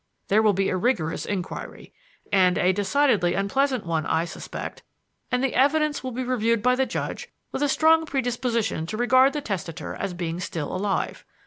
There will be a rigorous inquiry and a decidedly unpleasant one, I suspect and the evidence will be reviewed by the judge with a strong predisposition to regard the testator as being still alive.